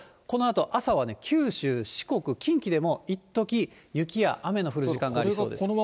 このあと朝は九州、四国、近畿でもいっとき、雪や雨の降る時間がありそうです。